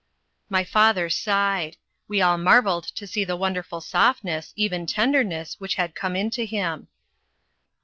My father sighed. We all marvelled to see the wonderful softness, even tenderness, which had come into him.